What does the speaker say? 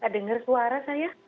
dengar suara saya